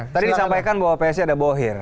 tadi disampaikan bahwa psi ada bohir